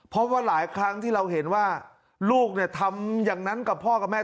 เพราะว่าหลายครั้งที่เราเห็นว่าลูกทำอย่างนั้นกับพ่อกับแม่